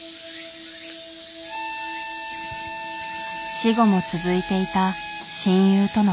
死後も続いていた親友との関係。